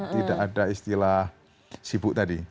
tidak ada istilah sibuk tadi